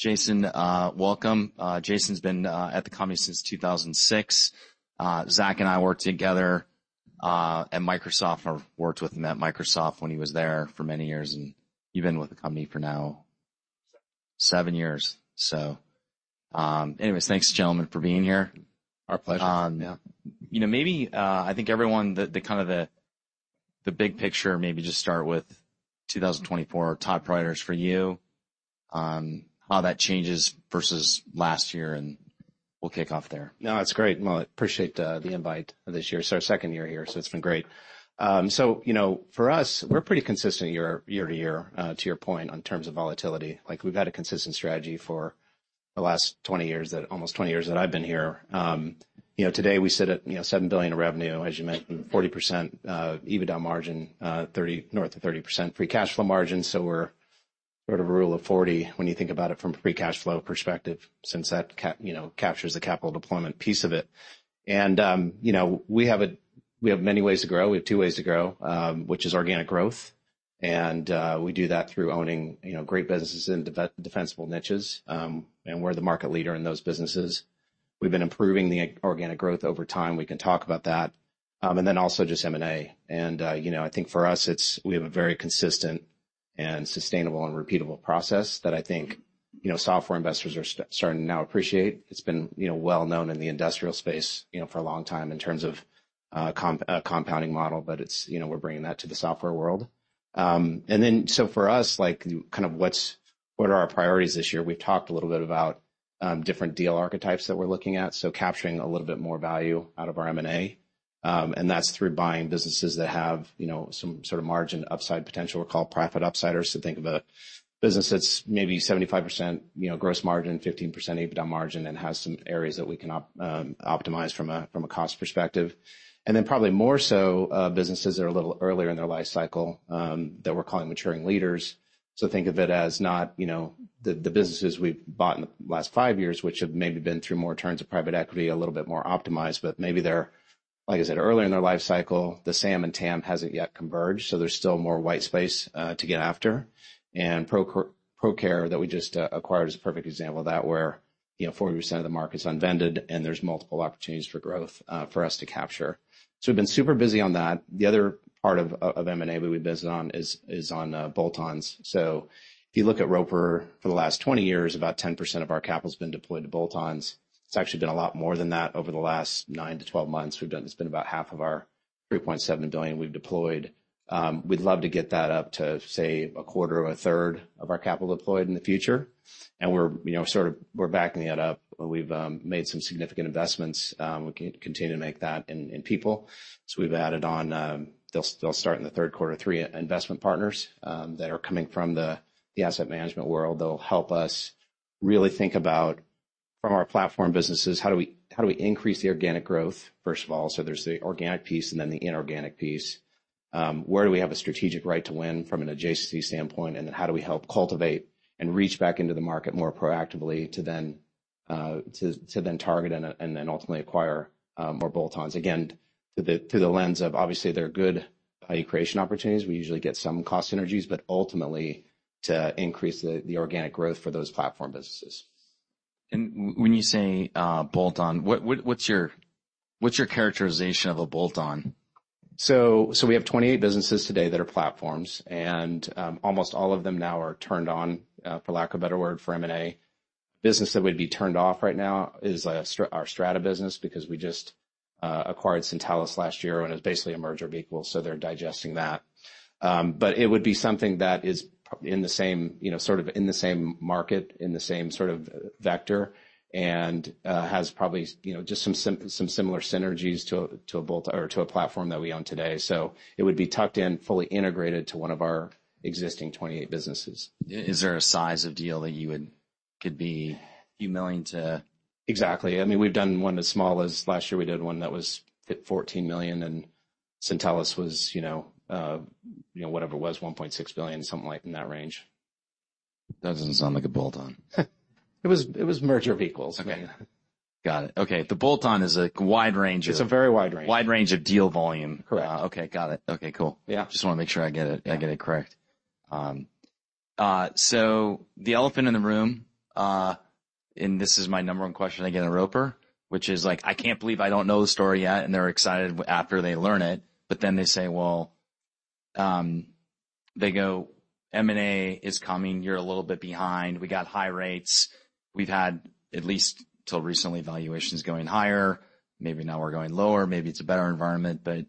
Jason, welcome. Jason's been at the company since 2006. Zack and I worked together at Microsoft. I worked with him at Microsoft when he was there for many years, and you've been with the company for now. Seven. Seven years. So, anyway, thanks, gentlemen, for being here. Our pleasure. Yeah. You know, maybe, I think everyone, the kind of big picture. Maybe just start with 2024 top priorities for you, how that changes versus last year, and we'll kick off there. No, that's great. Well, I appreciate the invite this year. It's our second year here, so it's been great. So, you know, for us, we're pretty consistent year-to-year, to your point, in terms of volatility. Like, we've had a consistent strategy for the last 20 years, almost 20 years that I've been here. You know, today we sit at, you know, $7 billion in revenue, as you mentioned, 40% EBITDA margin, north of 30% free cash flow margin. So we're sort of a Rule of 40 when you think about it from a free cash flow perspective, since that, you know, captures the capital deployment piece of it. And, you know, we have many ways to grow. We have two ways to grow, which is organic growth. And, we do that through owning, you know, great businesses in defensible niches. We're the market leader in those businesses. We've been improving the organic growth over time. We can talk about that. Then also just M&A. And, you know, I think for us, it's we have a very consistent and sustainable and repeatable process that I think, you know, software investors are starting to now appreciate. It's been, you know, well known in the industrial space, you know, for a long time in terms of compounding model. But it's, you know, we're bringing that to the software world. Then so for us, like, kind of what are our priorities this year? We've talked a little bit about different deal archetypes that we're looking at, so capturing a little bit more value out of our M&A. That's through buying businesses that have, you know, some sort of margin upside potential. We call 'em Profit Upsiders. So think of a business that's maybe 75%, you know, gross margin, 15% EBITDA margin, and has some areas that we can optimize from a cost perspective. And then probably more so, businesses that are a little earlier in their lifecycle, that we're calling Maturing Leaders. So think of it as not, you know, the, the businesses we've bought in the last 5 years, which have maybe been through more turns of private equity, a little bit more optimized, but maybe they're, like I said, earlier in their lifecycle. The SAM and TAM hasn't yet converged, so there's still more white space, to get after. And Procare that we just, acquired is a perfect example of that where, you know, 40% of the market's unvended, and there's multiple opportunities for growth, for us to capture. So we've been super busy on that. The other part of M&A we've been busy on is on bolt-ons. So if you look at Roper for the last 20 years, about 10% of our capital's been deployed to bolt-ons. It's actually been a lot more than that over the last 9-12 months. We've done. It's been about half of our $3.7 billion we've deployed. We'd love to get that up to, say, a quarter or a third of our capital deployed in the future. And we're, you know, sort of we're backing that up. We've made some significant investments. We can continue to make that in people. So we've added on. They'll start in the third quarter, three investment partners that are coming from the asset management world. They'll help us really think about, from our platform businesses, how do we increase the organic growth, first of all? So there's the organic piece, and then the inorganic piece. Where do we have a strategic right to win from an adjacency standpoint? And then how do we help cultivate and reach back into the market more proactively to then target and then ultimately acquire more bolt-ons? Again, through the lens of, obviously, they're good value creation opportunities. We usually get some cost synergies, but ultimately to increase the organic growth for those platform businesses. When you say bolt-on, what’s your characterization of a bolt-on? So we have 28 businesses today that are platforms. And almost all of them now are turned on, for lack of a better word, for M&A. A business that would be turned off right now is our Strata business because we just acquired Syntellis last year, and it's basically a merger vehicle. So they're digesting that. But it would be something that is in the same, you know, sort of in the same market, in the same sort of vector, and has probably, you know, just some similar synergies to a bolt-on or to a platform that we own today. So it would be tucked in, fully integrated to one of our existing 28 businesses. Is there a size of deal that you would be beholden to? Exactly. I mean, we've done one as small as last year. We did one that was $14 million, and Syntellis was, you know, you know, whatever it was, $1.6 billion, something like in that range. That doesn't sound like a bolt-on. It was merger vehicles. Okay. Got it. Okay. The bolt-on is a wide range. It's a very wide range. Wide range of deal volume. Correct. Okay. Got it. Okay. Cool. Yeah. Just wanna make sure I get it, I get it correct. So the elephant in the room, and this is my number one question I get at Roper, which is like, "I can't believe I don't know the story yet." And they're excited after they learn it. But then they say, "Well, they go, M&A is coming. You're a little bit behind. We got high rates. We've had, at least till recently, valuations going higher. Maybe now we're going lower. Maybe it's a better environment." But,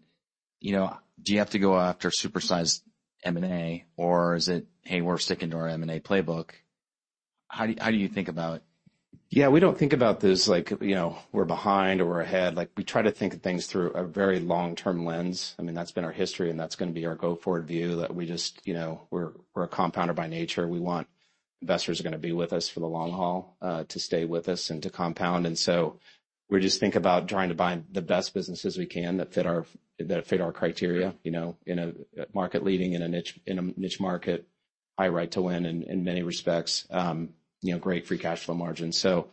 you know, do you have to go after supersized M&A, or is it, "Hey, we're sticking to our M&A playbook"? How do you, how do you think about? Yeah. We don't think about this like, you know, we're behind or we're ahead. Like, we try to think of things through a very long-term lens. I mean, that's been our history, and that's gonna be our go-forward view, that we just, you know, we're a compounder by nature. We want investors are gonna be with us for the long haul, to stay with us and to compound. And so we just think about trying to buy the best businesses we can that fit our criteria, you know, in a market leading in a niche market, high right to win in many respects, you know, great free cash flow margins. So,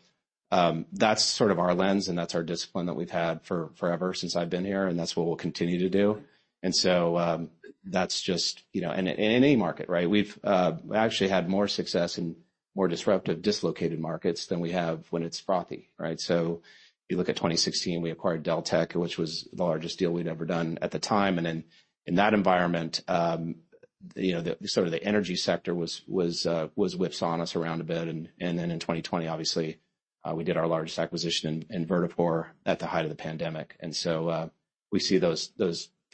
that's sort of our lens, and that's our discipline that we've had for forever since I've been here. And that's what we'll continue to do. And so, that's just, you know, and in any market, right? We've actually had more success in more disruptive, dislocated markets than we have when it's frothy, right? So if you look at 2016, we acquired Deltek, which was the largest deal we'd ever done at the time. And then in that environment, you know, the sort of the energy sector was whipsawed us around a bit. And then in 2020, obviously, we did our largest acquisition of Vertafore at the height of the pandemic. And so, we see those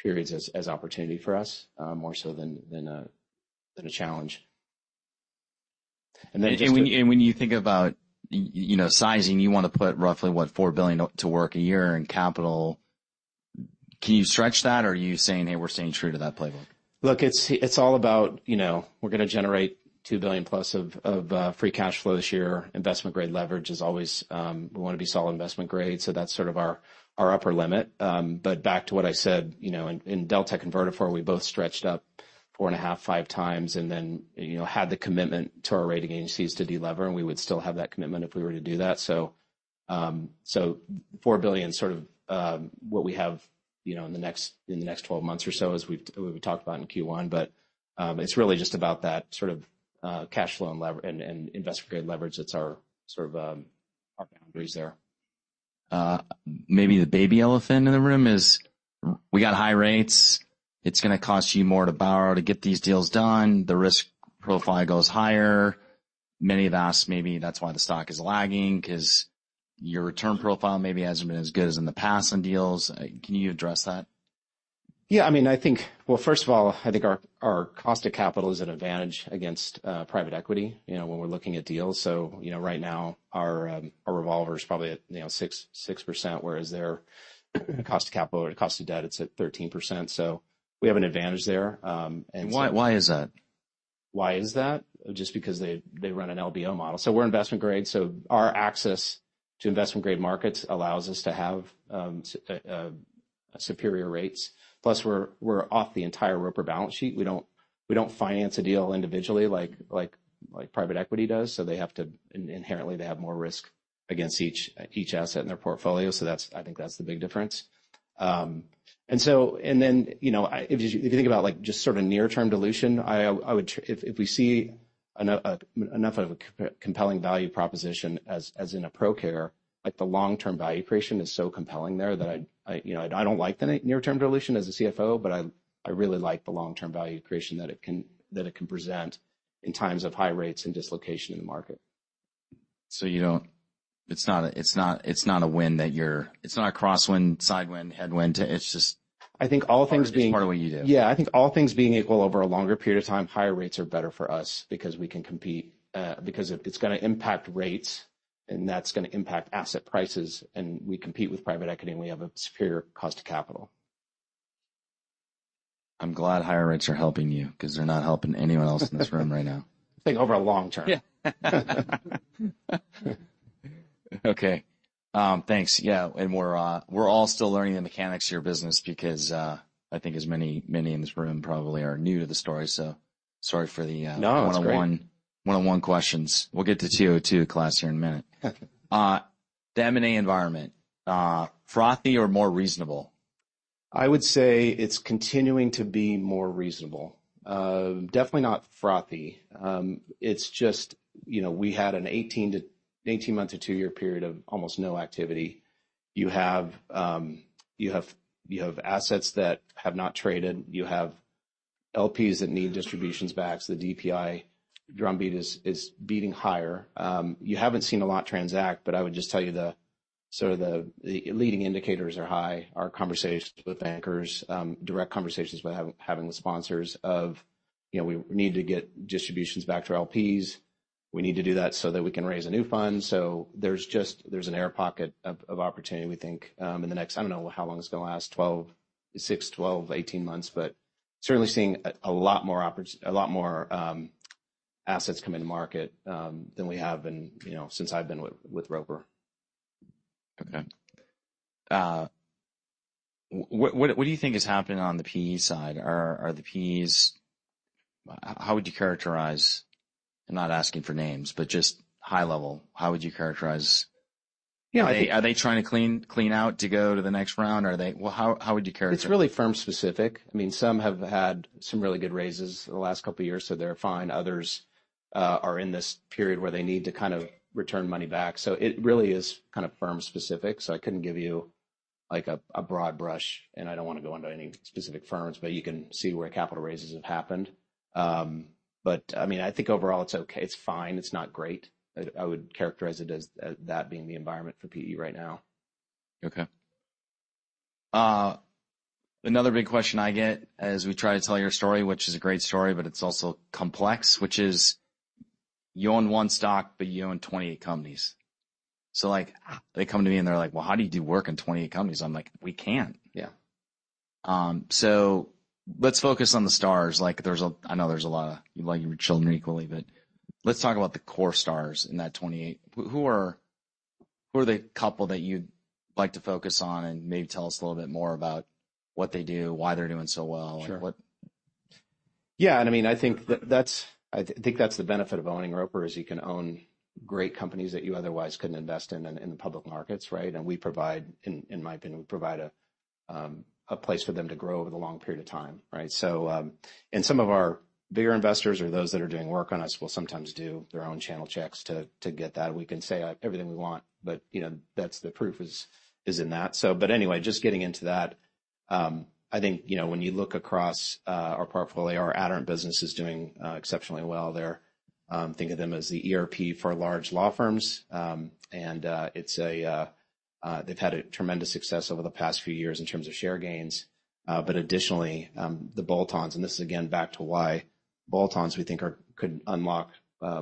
periods as opportunity for us, more so than a challenge. And then. And when you think about, you know, sizing, you wanna put roughly, what, $4 billion to work a year in capital. Can you stretch that, or are you saying, "Hey, we're staying true to that playbook"? Look, it's all about, you know, we're gonna generate $2 billion+ of free cash flow this year. Investment-grade leverage is always, we wanna be solid investment grade. So that's sort of our upper limit. But back to what I said, you know, in Deltek and Vertafore, we both stretched up 4.5x-5x and then, you know, had the commitment to our rating agencies to delever, and we would still have that commitment if we were to do that. So, $4 billion sort of, what we have, you know, in the next 12 months or so is we've talked about in Q1. But, it's really just about that sort of cash flow and leverage and investment-grade leverage. That's our sort of our boundaries there. Maybe the baby elephant in the room is we got high rates. It's gonna cost you more to borrow to get these deals done. The risk profile goes higher. Many of us, maybe that's why the stock is lagging, 'cause your return profile maybe hasn't been as good as in the past on deals. Can you address that? Yeah. I mean, I think, well, first of all, I think our cost of capital is an advantage against private equity, you know, when we're looking at deals. So, you know, right now, our revolver's probably at, you know, 6%, whereas their cost of capital or cost of debt, it's at 13%. So we have an advantage there. Why, why is that? Why is that? Just because they run an LBO model. So we're investment grade. So our access to investment-grade markets allows us to have superior rates. Plus, we're off the entire Roper balance sheet. We don't finance a deal individually like private equity does. So they have to inherently have more risk against each asset in their portfolio. So that's, I think, that's the big difference. You know, if you think about, like, just sort of near-term dilution, I would, if we see enough of a compelling value proposition as in a Procare, like, the long-term value creation is so compelling there that I, you know, I don't like the near-term dilution as a CFO, but I really like the long-term value creation that it can present in times of high rates and dislocation in the market. So it's not a win that you're. It's not a crosswind, sidewind, headwind to it. It's just. I think all things being. That's part of what you do. Yeah. I think all things being equal over a longer period of time, higher rates are better for us because we can compete, because it's gonna impact rates, and that's gonna impact asset prices. And we compete with private equity, and we have a superior cost of capital. I'm glad higher rates are helping you 'cause they're not helping anyone else in this room right now. I think over a long term. Yeah. Okay. Thanks. Yeah. And we're, we're all still learning the mechanics of your business because, I think as many, many in this room probably are new to the story. So sorry for the, No, it's great. One-on-one one-on-one questions. We'll get to 202 class here in a minute. The M&A environment, frothy or more reasonable? I would say it's continuing to be more reasonable. Definitely not frothy. It's just, you know, we had an 18 to 18-month to 2-year period of almost no activity. You have assets that have not traded. You have LPs that need distributions back. So the DPI drumbeat is beating higher. You haven't seen a lot transact, but I would just tell you the sort of the leading indicators are high. Our conversations with bankers, direct conversations with sponsors, you know, we need to get distributions back to our LPs. We need to do that so that we can raise a new fund. So there's just an air pocket of opportunity, we think, in the next I don't know how long it's gonna last, 6, 12, 18 months, but certainly seeing a lot more opportunity, a lot more assets come into market than we have in, you know, since I've been with Roper. Okay. What do you think has happened on the PE side? Are the PEs how would you characterize? And not asking for names, but just high level, how would you characterize? Yeah. Are they trying to clean out to go to the next round, or are they? Well, how would you characterize? It's really firm-specific. I mean, some have had some really good raises the last couple of years, so they're fine. Others are in this period where they need to kind of return money back. So it really is kind of firm-specific. So I couldn't give you, like, a broad brush, and I don't wanna go into any specific firms, but you can see where capital raises have happened. But I mean, I think overall, it's okay. It's fine. It's not great. I would characterize it as that being the environment for PE right now. Okay. Another big question I get as we try to tell your story, which is a great story, but it's also complex, which is you own one stock, but you own 28 companies. So, like, they come to me, and they're like, "Well, how do you do work in 28 companies?" I'm like, "We can't. Yeah. Let's focus on the stars. Like, there's, I know there's a lot of you like your children equally, but let's talk about the core stars in that 28. Who are the couple that you'd like to focus on and maybe tell us a little bit more about what they do, why they're doing so well, and what. Sure. Yeah. And I mean, I think that that's. I think that's the benefit of owning Roper, is you can own great companies that you otherwise couldn't invest in in the public markets, right? And we provide in, in my opinion, we provide a, a place for them to grow over the long period of time, right? So, and some of our bigger investors or those that are doing work on us will sometimes do their own channel checks to, to get that. We can say everything we want, but, you know, that's the proof is, is in that. So but anyway, just getting into that, I think, you know, when you look across our portfolio, our Aderant business is doing exceptionally well there. Think of them as the ERP for large law firms. It's Aderant. They've had tremendous success over the past few years in terms of share gains. But additionally, the bolt-ons, and this is, again, back to why bolt-ons, we think, could unlock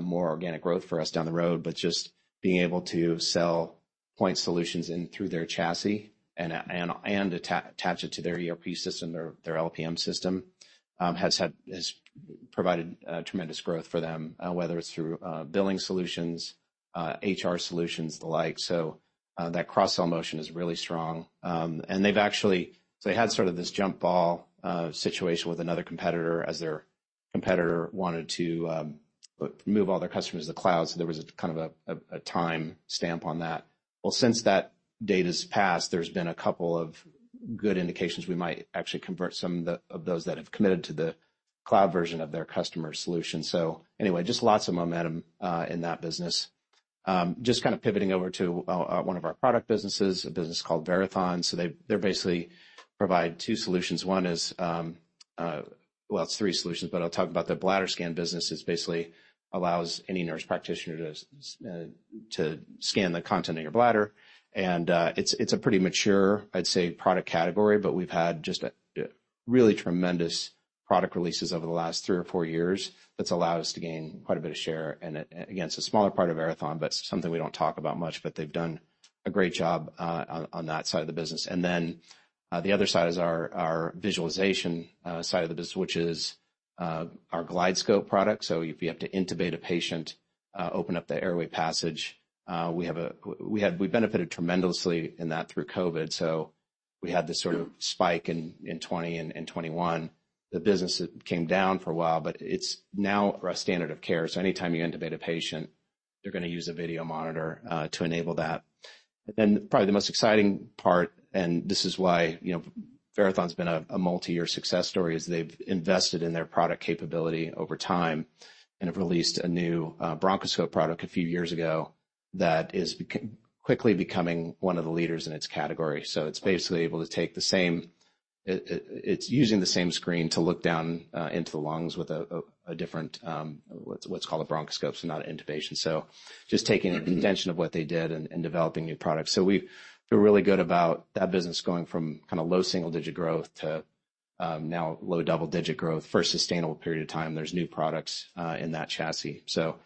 more organic growth for us down the road. But just being able to sell point solutions into their chassis and attach it to their ERP system, their LPM system, has provided tremendous growth for them, whether it's through billing solutions, HR solutions, the like. So, that cross-sell motion is really strong. And they've actually, so they had sort of this jump ball situation with another competitor as their competitor wanted to move all their customers to the cloud. So there was a kind of a time stamp on that. Well, since that date has passed, there's been a couple of good indications we might actually convert some of those that have committed to the cloud version of their customer solution. So anyway, just lots of momentum in that business, just kind of pivoting over to one of our product businesses, a business called Verathon. So they're basically provide two solutions. One is, well, it's three solutions, but I'll talk about the BladderScan business, which basically allows any nurse practitioner to scan the content in your bladder. And it's a pretty mature, I'd say, product category. But we've had just a really tremendous product releases over the last three or four years that's allowed us to gain quite a bit of share and against a smaller part of Verathon, but something we don't talk about much. But they've done a great job on that side of the business. And then the other side is our visualization side of the business, which is our GlideScope product. So if you have to intubate a patient, open up the airway passage, we benefited tremendously in that through COVID. So we had this sort of spike in 2020 and 2021. The business came down for a while, but it's now a standard of care. So anytime you intubate a patient, they're gonna use a video monitor to enable that. And then probably the most exciting part, and this is why, you know, Verathon's been a multi-year success story, is they've invested in their product capability over time and have released a new bronchoscope product a few years ago that is quickly becoming one of the leaders in its category. So it's basically able to take the same; it's using the same screen to look down into the lungs with a different, what's called a bronchoscope, so not an intubation. So just taking the extension of what they did and developing new products. So we feel really good about that business going from kind of low single-digit growth to now low double-digit growth for a sustainable period of time. There's new products in that chassis. So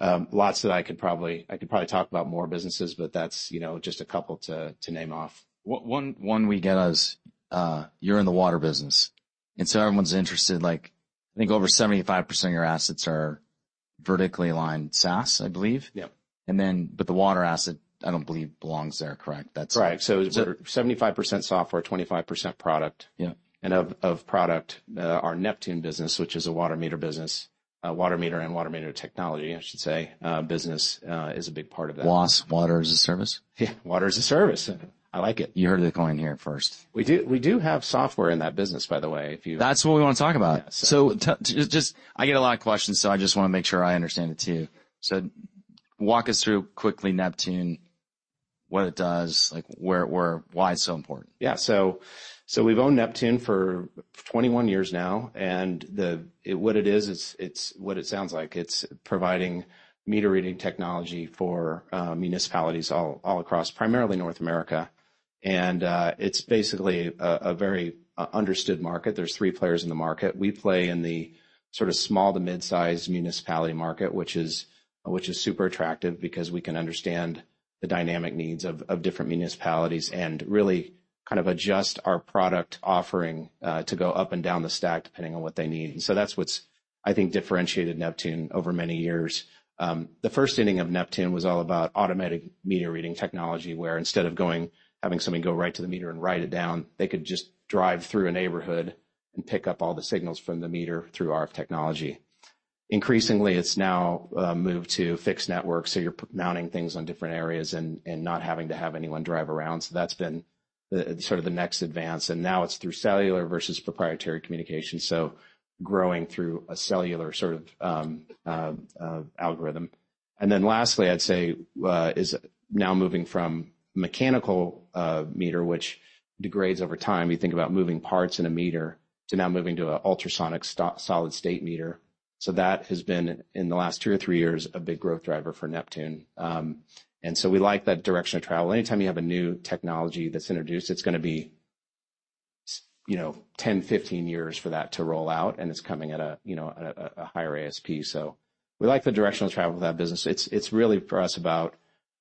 lots that I could probably talk about more businesses, but that's, you know, just a couple to name off. Well, one we get is, you're in the water business. And so everyone's interested. Like, I think over 75% of your assets are vertically aligned SaaS, I believe. Yep. But the water asset, I don't believe, belongs there, correct? That's. Correct. So it's 75% software, 25% product. Yep. Our Neptune business, which is a water meter business, water meter and water meter technology, I should say, business, is a big part of that. WaaS, water as a service? Yeah. Water as a service. I like it. You heard the call here at first. We do have software in that business, by the way, if you. That's what we wanna talk about. So just I get a lot of questions, so I just wanna make sure I understand it too. So walk us through quickly, Neptune, what it does, like, where, why it's so important. Yeah. So we've owned Neptune for 21 years now. And what it is, it's what it sounds like. It's providing meter reading technology for municipalities all across, primarily North America. And it's basically a very understood market. There's three players in the market. We play in the sort of small to midsize municipality market, which is super attractive because we can understand the dynamic needs of different municipalities and really kind of adjust our product offering to go up and down the stack depending on what they need. And so that's what's, I think, differentiated Neptune over many years. The first inning of Neptune was all about automatic meter reading technology, where instead of going having somebody go right to the meter and write it down, they could just drive through a neighborhood and pick up all the signals from the meter through RF technology. Increasingly, it's now moved to fixed networks. So you're mounting things on different areas and not having to have anyone drive around. So that's been the sort of the next advance. And now it's through cellular versus proprietary communication. So growing through a cellular sort of algorithm. And then lastly, I'd say, is now moving from mechanical meter, which degrades over time. You think about moving parts in a meter to now moving to an ultrasonic solid-state meter. So that has been in the last 2 or 3 years a big growth driver for Neptune. And so we like that direction of travel. Anytime you have a new technology that's introduced, it's gonna be, you know, 10, 15 years for that to roll out. And it's coming at a, you know, at a higher ASP. So we like the direction of travel with that business. It's, it's really for us about,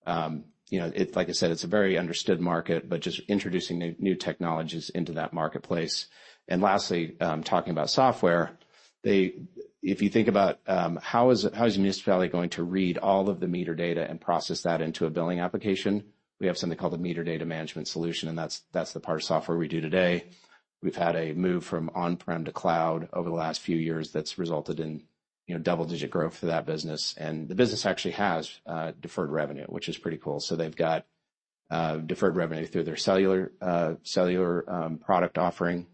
you know, it like I said, it's a very understood market, but just introducing new, new technologies into that marketplace. And lastly, talking about software, they if you think about, how is how is your municipality going to read all of the meter data and process that into a billing application? We have something called a meter data management solution, and that's, that's the part of software we do today. We've had a move from on-prem to cloud over the last few years that's resulted in, you know, double-digit growth for that business. The business actually has deferred revenue, which is pretty cool. So they've got deferred revenue through their cellular product offering,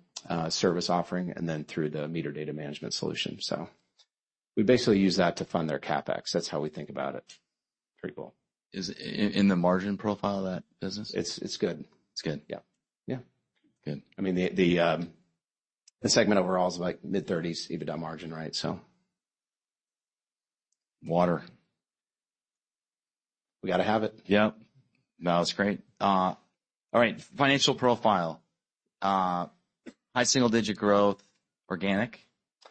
service offering, and then through the meter data management solution. So we basically use that to fund their CapEx. That's how we think about it. Pretty cool. Is in the margin profile of that business? It's good. It's good? Yeah. Yeah. Good. I mean, the segment overall is like mid-30s EBITDA margin, right? So. Water. We gotta have it. Yep. No, it's great. All right. Financial profile. High single-digit growth, organic.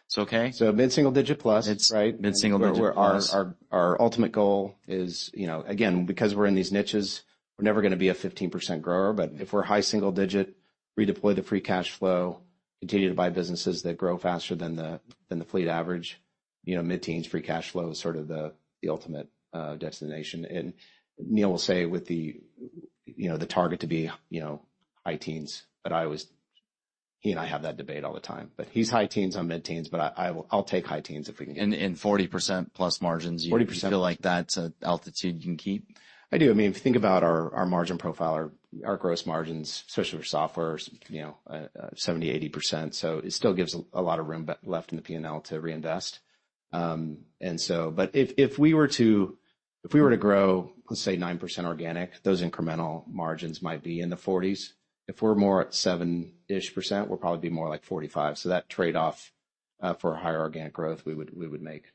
It's okay? Mid-single-digit plus, right? It's mid-single-digit plus. Where our ultimate goal is, you know, again, because we're in these niches, we're never gonna be a 15% grower. But if we're high single-digit, redeploy the free cash flow, continue to buy businesses that grow faster than the fleet average, you know, mid-teens, free cash flow is sort of the ultimate destination. And Neil will say with the, you know, the target to be, you know, high teens. But I always he and I have that debate all the time. But he's high teens. I'm mid-teens. But I will I'll take high teens if we can get there. And 40% plus margins, you. 40%. Feel like that's an altitude you can keep? I do. I mean, if you think about our margin profile, our gross margins, especially for software, you know, 70%-80%. So it still gives a lot of room left in the P&L to reinvest. But if we were to grow, let's say, 9% organic, those incremental margins might be in the 40s. If we're more at 7-ish%, we'll probably be more like 45. So that trade-off for higher organic growth, we would make.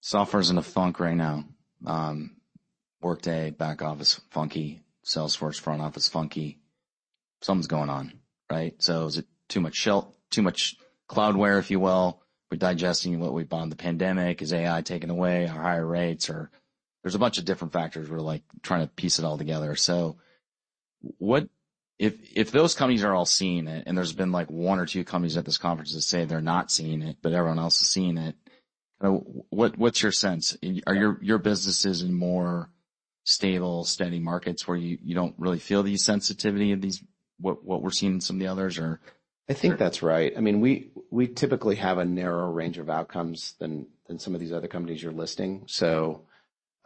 Software's in a funk right now. Workday, back office, funky. Salesforce, front office, funky. Something's going on, right? So is it too much shelf, too much cloudware, if you will? We're digesting what we bought in the pandemic. Is AI taken away? Are higher rates? Or there's a bunch of different factors we're, like, trying to piece it all together. So what if, if those companies are all seeing it and there's been, like, one or two companies at this conference that say they're not seeing it, but everyone else is seeing it, kind of what, what's your sense? Are your, your businesses in more stable, steady markets where you, you don't really feel the sensitivity of these what, what we're seeing in some of the others, or? I think that's right. I mean, we typically have a narrower range of outcomes than some of these other companies you're listing. So,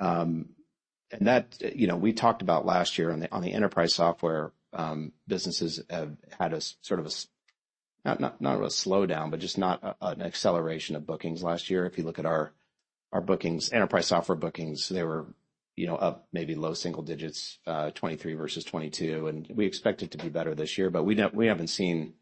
you know, we talked about last year on the enterprise software businesses have had a sort of a not a slowdown, but just not an acceleration of bookings last year. If you look at our bookings, enterprise software bookings, they were, you know, up maybe low single digits, 2023 versus 2022. And we expect it to be better this year. But we haven't seen,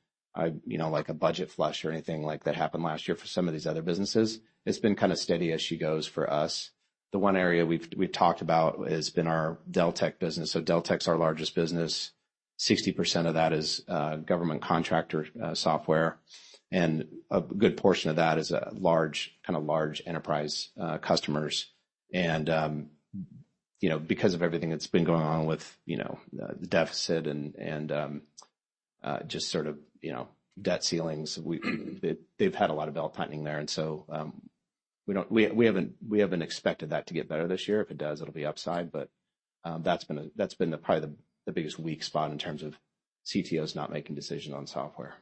you know, like a budget flush or anything like that happened last year for some of these other businesses. It's been kind of steady as she goes for us. The one area we've talked about has been our Deltek business. So Deltek's our largest business. 60% of that is government contractor software. And a good portion of that is a large kind of large enterprise customers. And, you know, because of everything that's been going on with, you know, the deficit and, and, just sort of, you know, debt ceilings, they've had a lot of belt tightening there. And so, we haven't expected that to get better this year. If it does, it'll be upside. But that's been the probably the biggest weak spot in terms of CTOs not making decisions on software.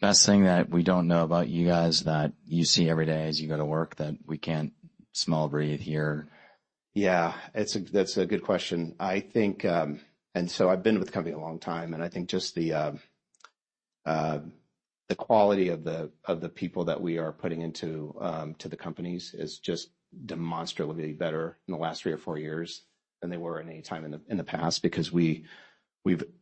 Best thing that we don't know about you guys that you see every day as you go to work that we can't smell breathe here? Yeah. That's a good question. I think, and so I've been with the company a long time. And I think just the quality of the people that we are putting into the companies is just demonstrably better in the last three or four years than they were at any time in the past because we've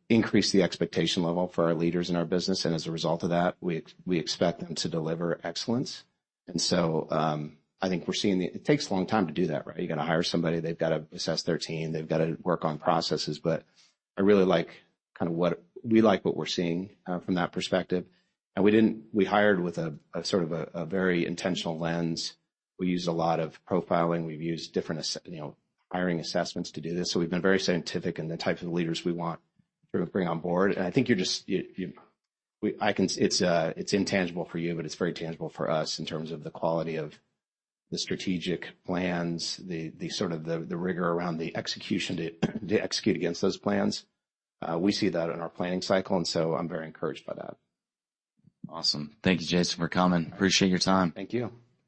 increased the expectation level for our leaders in our business. And as a result of that, we expect them to deliver excellence. And so, I think we're seeing that it takes a long time to do that, right? You gotta hire somebody. They've gotta assess their team. They've gotta work on processes. But I really like what we're seeing from that perspective. And we did. We hired with a sort of a very intentional lens. We used a lot of profiling. We've used different, you know, hiring assessments to do this. So we've been very scientific in the type of leaders we want to bring on board. And I think it's intangible for you, but it's very tangible for us in terms of the quality of the strategic plans, the sort of rigor around the execution to execute against those plans. We see that in our planning cycle. And so I'm very encouraged by that. Awesome. Thank you, Jason, for coming. Appreciate your time. Thank you.